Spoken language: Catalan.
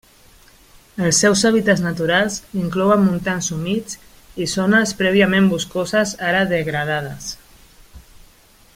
Els seus hàbitats naturals inclouen montans humits i zones prèviament boscoses ara degradades.